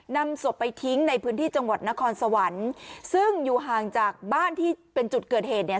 นำศพไปทิ้งในพื้นที่จังหวัดนครสวรรค์ซึ่งอยู่ห่างจากบ้านที่เป็นจุดเกิดเหตุเนี่ย